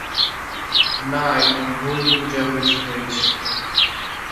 না, একটা ভুল বোঝাবুঝি হয়েছে।